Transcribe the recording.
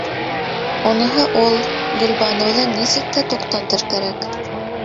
Уныһы - ул: Гөлбаныуҙы нисек тә туҡтатыр кәрәк.